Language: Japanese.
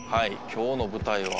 今日の舞台は？」